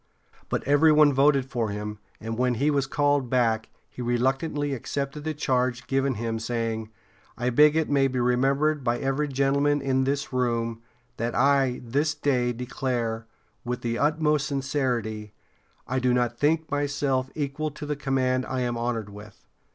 But every one voted for him, and when he was called back he reluctantly accepted the charge given him, saying: "I beg it may be remembered by every gentleman in this room that I this day declare, with the utmost sincerity, I do not think myself equal to the command I am honored with."